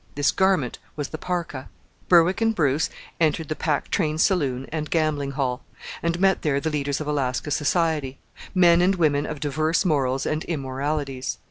This garment was the parka. Berwick and Bruce entered the Pack Train Saloon and Gambling hall, and met there the leaders of Alaska society: men and women of diverse morals and immoralities.